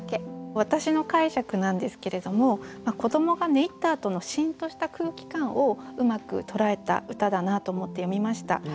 私の解釈なんですけれども子どもが寝入ったあとのシーンとした空気感をうまく捉えた歌だなと思って読みました。